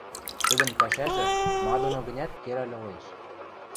Тӹдӹн пӓшӓжӹ ма доно гӹнят керӓл ылеш.